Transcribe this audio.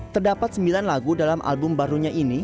terdapat sembilan lagu dalam album barunya ini